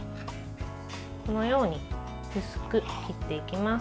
このように薄く切っていきます。